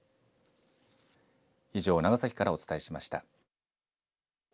以上、長崎からお伝えしました。